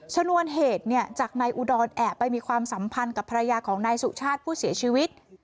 ชนวนเหตุจากนายอุดรแอบไปมีความสัมพันธ์กับภรรยาของนายสุชาติผู้เสียชีวิต